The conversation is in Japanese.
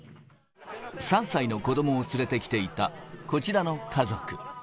３歳の子どもを連れて来ていたこちらの家族。